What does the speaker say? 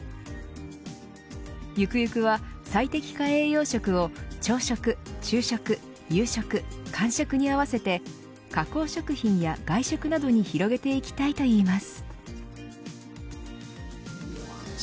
ゆくゆくは最適化栄養食を朝食、昼食、夕食間食に合わせて加工食品や外食などに広げていきたいといいます。